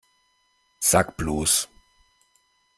Sag bloß!